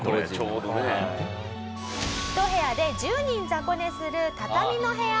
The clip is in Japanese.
１部屋で１０人雑魚寝する畳の部屋。